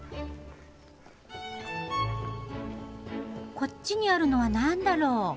こっちにあるのは何だろう？